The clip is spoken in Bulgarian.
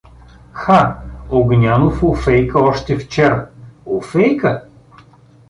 — Ха, Огнянов офейка още вчера… — Офейка?